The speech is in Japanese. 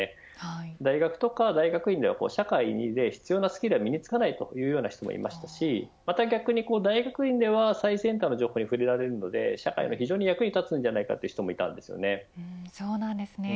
大学や大学院では社会で必要なスキルは身につかないという人もいましたし逆に大学院では最先端の情報に触れられるので社会で非常に役に立つそうなんですね。